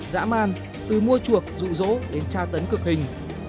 dã man từ mua chuộc rụ rỗ đến tra tấn cực hình